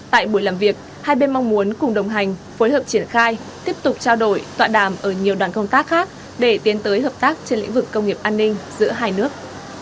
tại buổi làm việc hai bên mong muốn cùng đồng hành phối hợp triển khai tiếp tục trao đổi tọa đàm ở nhiều đoàn công tác khác để tiến tới hợp tác trên lĩnh vực công nghiệp an ninh giữa hai nước